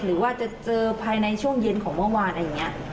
หรือว่าจะเจอภายในช่วงเย็นของเมื่อวานอะไรอย่างนี้